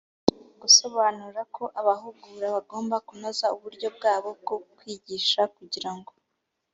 gusobanura ko abahugura bagomba kunoza uburyo bwabo bwo kwigisha kugira ngo